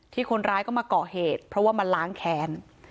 ที่คนร้ายก็มาเกาะเหตุเพราะว่ามันล้างแขน